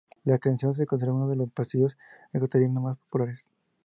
La canción es considerada uno de los pasillos ecuatorianos más populares.